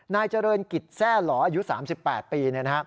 นายเจริญกิจแซ่หล่ออายุ๓๘ปี